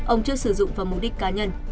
ông trước sử dụng vào mục đích cá nhân